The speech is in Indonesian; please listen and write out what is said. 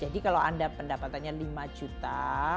jadi kalau anda pendapatannya lima juta